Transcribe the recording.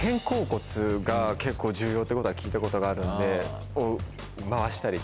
結構重要ってことは聞いたことがあるんで。